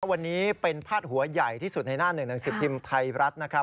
วันนี้เป็นพาดหัวใหญ่ที่สุดในหน้า๑๑๑๐ทีมไทยรัฐนะครับ